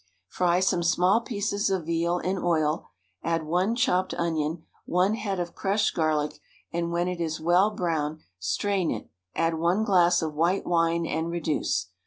Fry some small pieces of veal in oil, add one chopped onion, one head of crushed garlic and when it is well brown strain it, add one glass of white wine and reduce.